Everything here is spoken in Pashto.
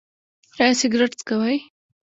ایا سګرټ څکوئ؟